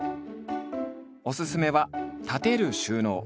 おすすめは立てる収納。